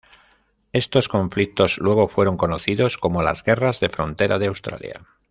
Estos conflictos luego fueron conocidos como las Guerras de frontera de Australia.